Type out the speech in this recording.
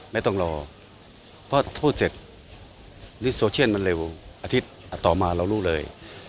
ไม่ต้องรอเพราะโทษเจ็ดมันเร็วอาทิตย์อ่ะต่อมาเรารู้เลย